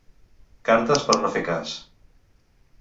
Cartes per no fer cas.